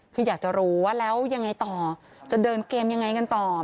คืออยากจะรู้ว่าแล้วยังไงต่อจะเดินเกมยังไงกันต่อ